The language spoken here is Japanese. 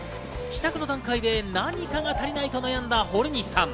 試作の段階で何かが足りないと悩んだ堀西さん。